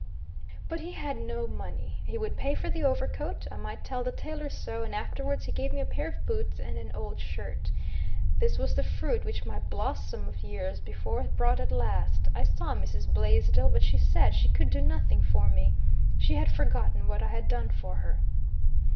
But he had no money. He would pay for the overcoat; I might tell the tailor so; and afterwards he gave me a pair of boots and an old shirt. This was the fruit which my "blossom" of years before brought at last. I saw Mrs. Blaisdell, but she said she could do nothing for me. She had forgotten what I had done for her.